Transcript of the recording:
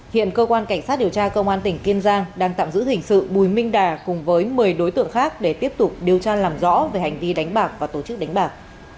hiện cơ quan cảnh sát điều tra công an tỉnh kiên giang đang tạm giữ hình sự bùi minh đà cùng với một mươi đối tượng khác để tiếp tục điều tra làm rõ về hành vi đánh bạc và tổ chức đánh bạc